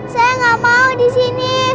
saya nggak mau di sini